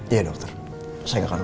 iya dokter saya gak akan lupa